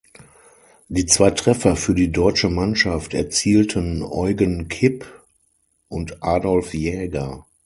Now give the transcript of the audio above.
Die zwei Treffer für die deutsche Mannschaft erzielten Eugen Kipp und Adolf Jäger.